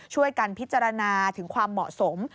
ช่วยกันพิจารณาถึงความเหมาะสม